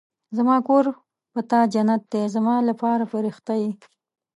زما کور په تا جنت دی زما لپاره فرښته يې